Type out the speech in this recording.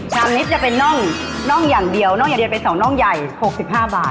นิดจะเป็นน่องอย่างเดียวน่องอย่างเดียวเป็น๒น่องใหญ่๖๕บาท